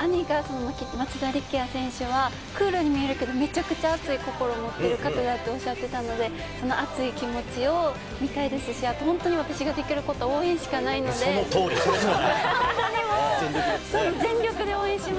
兄が松田選手はクールに見えるけれども、めちゃくちゃ熱い心を持っている人だと言っていたので、熱い気持ちを見たいですし、私ができるの応援しかないので、全力で応援します。